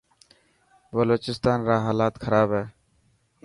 بلوچستان را هالات خراب هي.